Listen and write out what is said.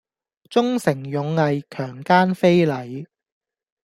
忠誠勇毅強姦非禮